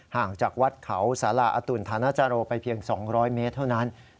ห่างจากวัดเขาสาราอตุลธานาจาโรไปเพียง๒๐๐เมตรเท่านั้น